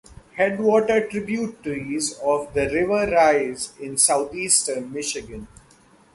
Headwater tributaries of the river rise in southeastern Michigan.